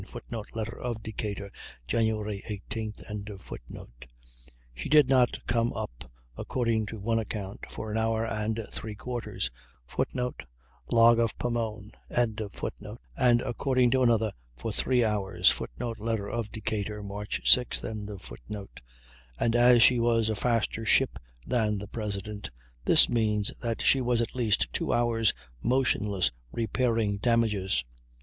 [Footnote: Letter of Decatur, Jan. 18th.] She did not come up, according to one account, for an hour and three quarters, [Footnote: Log of Pomone.] and according to another, for three hours [Footnote: Letter of Decatur, Mar. 6th.]; and as she was a faster ship than the President, this means that she was at least two hours motionless repairing damages.